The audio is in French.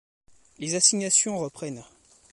Les assignations reprennent.